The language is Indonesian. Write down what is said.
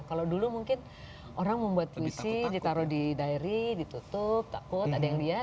kalau dulu mungkin orang membuat puisi ditaruh di diary ditutup takut ada yang lihat